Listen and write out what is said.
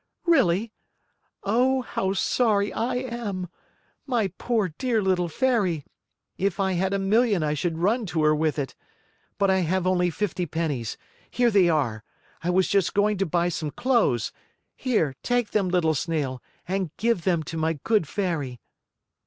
"Really? Oh, how sorry I am! My poor, dear little Fairy! If I had a million I should run to her with it! But I have only fifty pennies. Here they are. I was just going to buy some clothes. Here, take them, little Snail, and give them to my good Fairy."